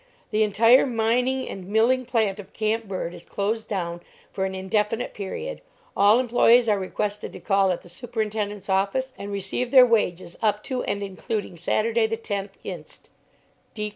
The entire mining and milling plant of Camp Bird is closed down for an indefinite period. All employees are requested to call at the superintendent's office and receive their wages up to and including Saturday, the 10th inst.